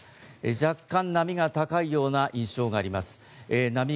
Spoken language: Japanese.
若干、波が高いような印象があります。